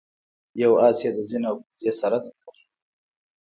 یو آس یې د زین او کیزې سره درکړی.